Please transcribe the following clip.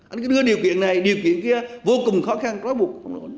anh cứ đưa điều kiện này điều kiện kia vô cùng khó khăn khói bụng